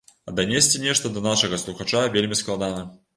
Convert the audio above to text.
А данесці нешта да нашага слухача вельмі складана.